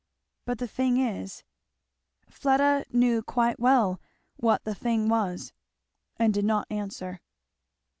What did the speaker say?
"But the thing is " Fleda knew quite well what the thing was, and did not answer.